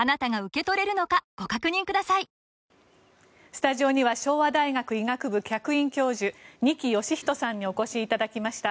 スタジオには昭和大学医学部客員教授二木芳人さんにお越しいただきました。